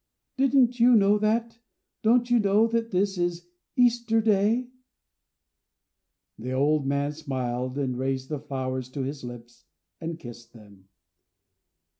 "Didn't you know that? Don't you know that this is Easter Day?" The old man smiled, and raised the flowers to his lips and kissed them.